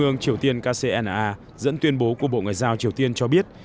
trung triều tiên kcna dẫn tuyên bố của bộ ngoại giao triều tiên cho biết